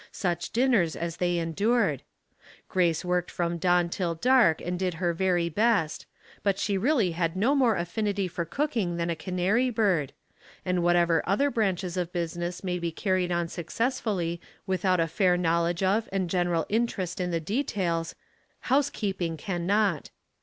Such dinners as they endured ! Grace worked from dawn till dark, and did her very best ; but she really had no more affinity for cooking than a canary bird ; and whatever other branches of business may be carried on successfully without a fair knowledge of, and general interest in the details, house keeping can not.